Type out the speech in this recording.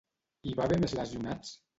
Hi va haver més lesionats?